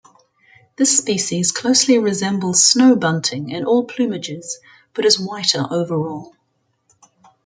This species closely resembles snow bunting in all plumages, but is whiter overall.